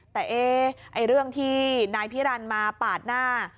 แต่เรื่องที่นายพิรันมาปาดหน้า